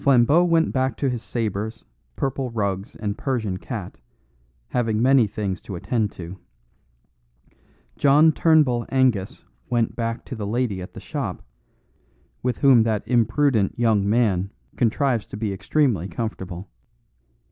Flambeau went back to his sabres, purple rugs and Persian cat, having many things to attend to. John Turnbull Angus went back to the lady at the shop, with whom that imprudent young man contrives to be extremely comfortable.